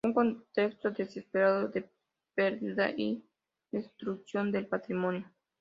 un contexto desesperado de perdida y destrucción del patrimonio